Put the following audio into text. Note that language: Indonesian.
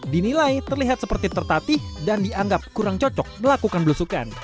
dinilai terlihat seperti tertatih dan dianggap kurang cocok melakukan belusukan